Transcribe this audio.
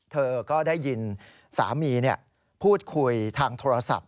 เธอก็ได้ยินสามีพูดคุยทางโทรศัพท์